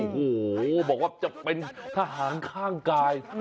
โอ้โหบอกว่าจะเป็นทหารข้างกาย